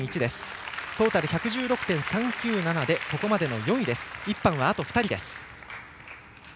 トータル１１６．３９７でここまでの４位です。